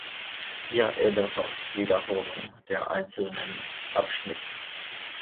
Hier ebenfalls Wiederholung der einzelnen Abschnitte.